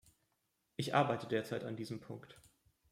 Ich arbeite derzeit an diesem Punkt.